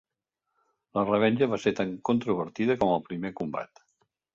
La revenja va ser tan controvertida com el primer combat.